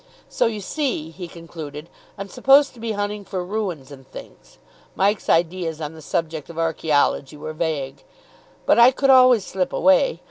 "So, you see," he concluded, "I'm supposed to be hunting for ruins and things" Mike's ideas on the subject of archaeology were vague "but I could always slip away.